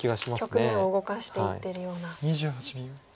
局面を動かしていってるような。